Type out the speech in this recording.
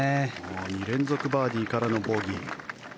２連続バーディーからのボギー。